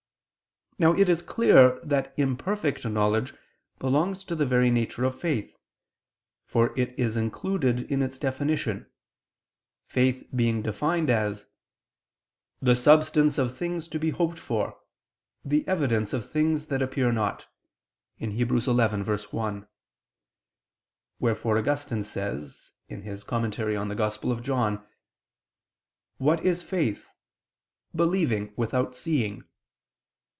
Now it is clear that imperfect knowledge belongs to the very nature of faith: for it is included in its definition; faith being defined as "the substance of things to be hoped for, the evidence of things that appear not" (Heb. 11:1). Wherefore Augustine says (Tract. xl in Joan.): "What is faith? Believing without seeing."